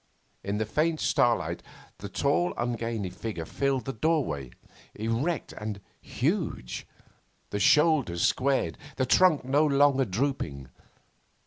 In the faint starlight the tall ungainly figure filled the doorway, erect and huge, the shoulders squared, the trunk no longer drooping.